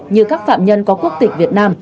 như các phạm nhân có quốc tịch việt nam